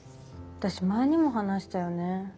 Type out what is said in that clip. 私前にも話したよね？